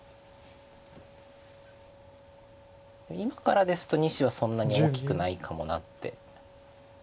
今からですと２子はそんなに大きくないかもなって。